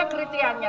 ya ada kriterianya